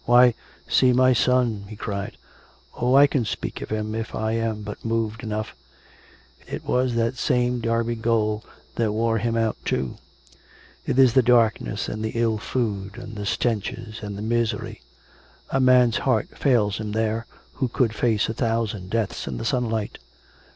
Why, see my son I " he cried. " Oh ! I can speak of him if I am but moved enough ! It was that same Derby gaol that wore him out too ! It is the darkness, and the ill food, and the stenches and the misery. A man's heart fails him there, who could face a thousand deaths in the simlight.